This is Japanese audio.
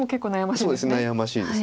そうですね悩ましいです。